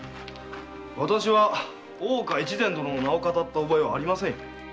わたしは大岡越前殿の名を騙った覚えはありませんよ。